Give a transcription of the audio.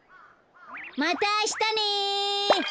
またあしたね！